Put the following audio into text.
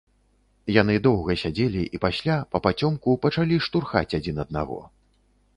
Яны доўга сядзелі і пасля, папацёмку, пачалі штурхаць адзін аднаго.